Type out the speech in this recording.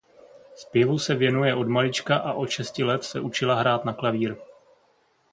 Zpěvu se věnuje od malička a od šesti let se učila hrát na klavír.